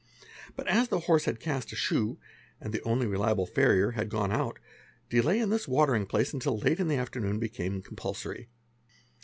But as the horse had ast a shoe and the only reliable farrier had gone out, delay in this Watering place until late in the afternoon became compulsory.